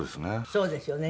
そうですよね。